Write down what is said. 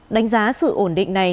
đánh giá sự ổn định này